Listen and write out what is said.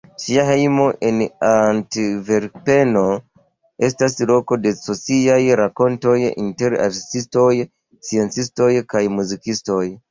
Ŝia hejmo en Antverpeno estas loko de sociaj renkontoj inter artistoj, sciencistoj kaj muzikistoj.